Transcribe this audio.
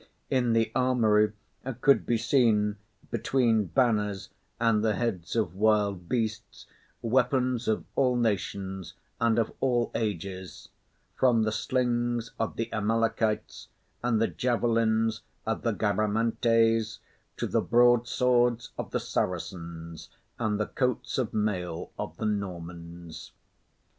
In the armoury could be seen, between banners and the heads of wild beasts, weapons of all nations and of all ages, from the slings of the Amalekites and the javelins of the Garamantes, to the broad swords of the Saracens and the coats of mail of the Normans.